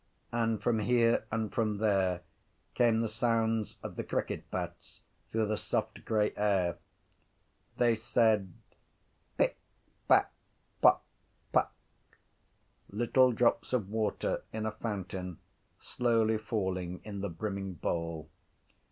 And from here and from there came the sounds of the cricket bats through the soft grey air. They said: pick, pack, pock, puck: little drops of water in a fountain slowly falling in the brimming bowl.